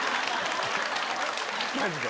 マジで。